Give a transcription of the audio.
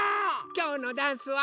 きょうのダンスは。